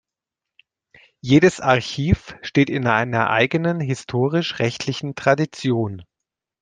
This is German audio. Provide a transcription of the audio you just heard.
Jedes Archiv steht in einer eigenen historisch-rechtlichen Tradition.